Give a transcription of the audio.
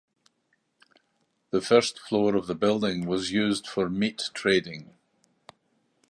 The first floor of the building was used for meat trading.